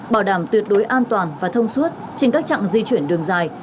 bảo đảm tuyệt đối an toàn và thông suốt trên các chặng di chuyển đường dài